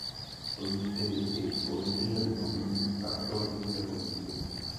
Stojí zde i ojedinělý pomník archeologického výzkumu.